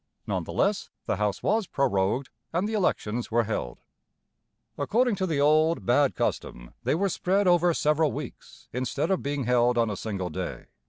None the less, the House was prorogued, and the elections were held. According to the old, bad custom, they were spread over several weeks, instead of being held on a single day.